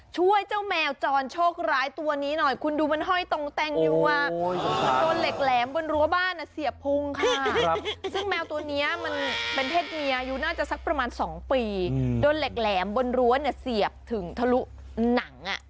ช่วยเจ้าแมวจรโชคร้ายตัวนี้หน่อยคุณดูมันห้อยตรงแตงอยู่อ่ะ